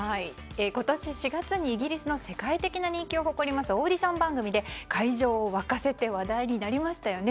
今年４月にイギリスの世界的な人気を誇りますオーディション番組で会場を沸かせて話題になりましたよね。